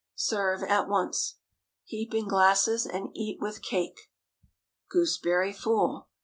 Serve at once. Heap in glasses, and eat with cake. GOOSEBERRY FOOL.